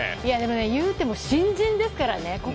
言うても新人ですからね。